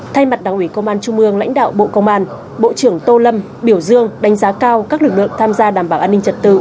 thay mặt đảng ủy công an trung ương lãnh đạo bộ công an bộ trưởng tô lâm biểu dương đánh giá cao các lực lượng tham gia đảm bảo an ninh trật tự